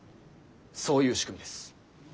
そういう仕組みです。